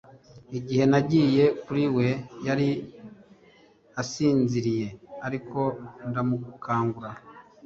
Igihe nagiye kuri we yari asinziriye ariko ndamukangura